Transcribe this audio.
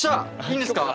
いいんですか？